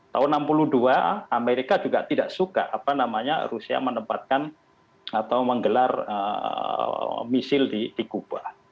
tahun seribu sembilan ratus enam puluh dua amerika juga tidak suka apa namanya rusia menempatkan atau menggelar misil di kuba